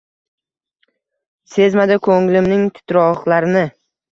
Sezmadi ko’nglimning titroqlarini.